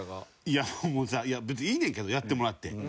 いやもうさいや別にいいねんけどやってもらって。